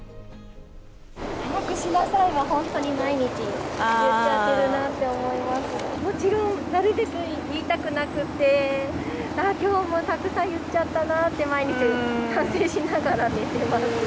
早くしなさいは本当に毎日言もちろん、なるべく言いたくなくて、ああ、きょうもたくさん言っちゃったなって毎日反省しながら寝ています。